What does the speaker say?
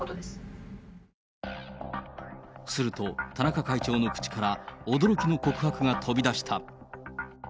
すると、田中会長の口から、驚きの告白が飛び出した。